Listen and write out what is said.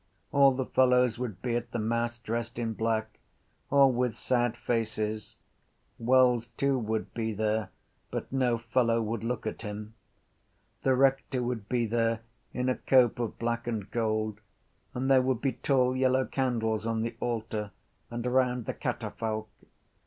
All the fellows would be at the mass, dressed in black, all with sad faces. Wells too would be there but no fellow would look at him. The rector would be there in a cope of black and gold and there would be tall yellow candles on the altar and round the catafalque.